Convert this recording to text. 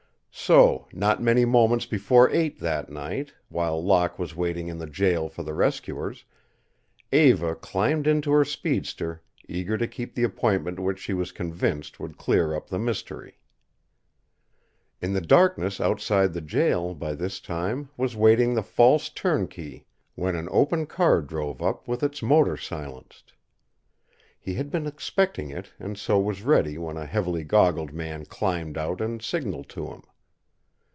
So, not many moments before eight that night, while Locke was waiting in the jail for the rescuers, Eva climbed into her speedster, eager to keep the appointment which she was convinced would clear up the mystery. In the darkness outside the jail, by this time, was waiting the false turnkey when an open car drove up with its motor silenced. He had been expecting it and so was ready when a heavily goggled man climbed out and signaled to him.